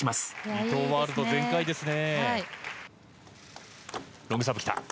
伊藤ワールド全開ですね。